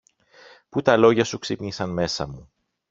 που τα λόγια σου ξύπνησαν μέσα μου.